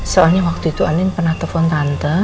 soalnya waktu itu andin pernah telepon tante